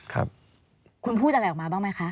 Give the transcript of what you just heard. คุณพูดอะไรออกมาบ้างไหมคะ